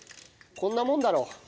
こんなもんだろう。